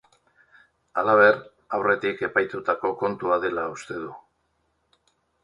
Halaber, aurretik epaitutako kontua dela uste du.